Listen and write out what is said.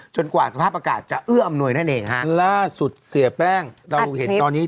กว่าสภาพอากาศจะเอื้ออำนวยนั่นเองฮะล่าสุดเสียแป้งเราเห็นตอนนี้